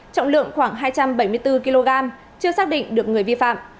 trọng lượng khoảng hai trăm bảy mươi bốn kg chưa xác định được người vi phạm